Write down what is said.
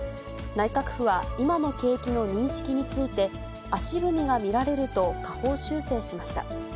内閣府は、今の景気の認識について、足踏みが見られると下方修正しました。